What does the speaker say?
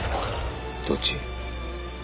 どっち？